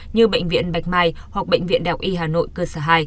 như bệnh viện bạch mai hoặc bệnh viện đại y hà nội cơ sở hai